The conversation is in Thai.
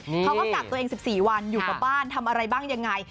เขาก็กักตัวเอง๑๔วันอยู่กับบ้านทำอะไรบ้างยังไง